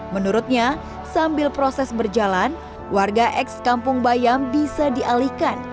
menurutnya sambil proses berjalan warga ex kampung bayam bisa dialihkan